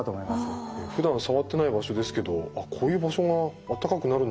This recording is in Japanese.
ふだん触ってない場所ですけどこういう場所があったかくなるんだなって。